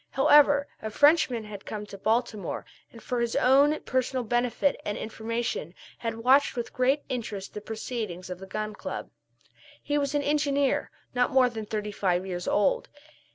However, a Frenchman had come to Baltimore, and for his own personal benefit and information had watched with great interest the proceedings of the Gun Club. He was an engineer, not more than thirty five years old.